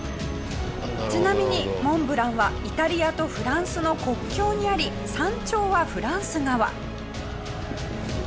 ちなみにモンブランはイタリアとフランスの国境にあり山頂はフランス側。